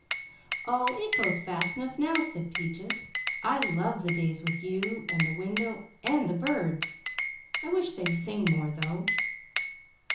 "Oh it goes fast enough now," said Peaches. "I love days with you and the window and the birds. I wish they'd sing more though."